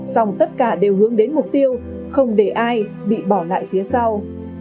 song tất cả đều hướng đến mục tiêu không để ai bị bỏ lại phía sau